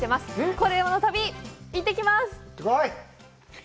「コレうまの旅」、行ってきます！